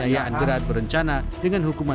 ya kalau proses hukum